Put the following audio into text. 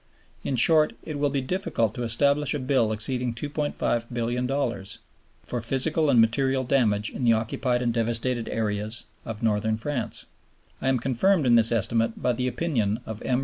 In short, it will be difficult to establish a bill exceeding $2,500,000,000 for physical and material damage in the occupied and devastated areas of Northern France. I am confirmed in this estimate by the opinion of M.